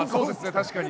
確かに。